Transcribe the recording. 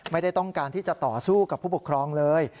ไม่ได้ต้องการที่จะต่อสู้กับผู้ปกครองเลย